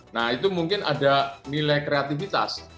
nah itu mungkin ada nilai kreativitas